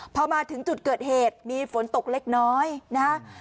พอมาถึงจุดเกิดเหตุมีฝนตกเล็กน้อยนะฮะ